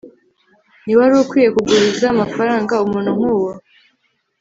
ntiwari ukwiye kuguriza amafaranga umuntu nkuwo